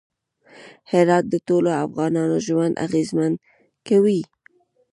هرات د ټولو افغانانو ژوند اغېزمن کوي.